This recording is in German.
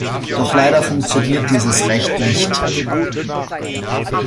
Doch leider funktioniert dieses Recht nicht.